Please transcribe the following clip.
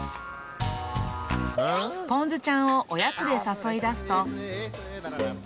ぽんずちゃんをおやつで誘い出すと。